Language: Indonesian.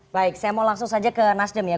baik saya mau langsung saja ke nasdem ya